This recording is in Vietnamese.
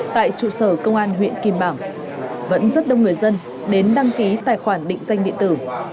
tại trụ sở công an huyện kim bảng vẫn rất đông người dân đến đăng ký tài khoản định danh điện tử